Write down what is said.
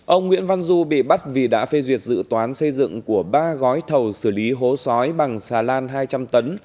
ông nguyễn văn du bị bắt vì đã phê duyệt dự toán xây dựng của ba gói thầu xử lý hố sói bằng xà lan hai trăm linh tấn